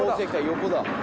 横だ。